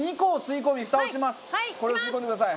これを吸い込んでください。